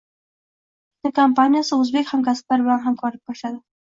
Kinokompaniyasi o'zbek hamkasblari bilan hamkorlik boshladi